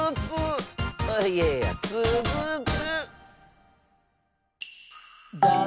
いやいやつづく！